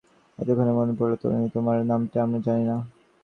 এতক্ষণে মনে পড়ল, তরুণী, তোমার নামটা আমরা জানি না।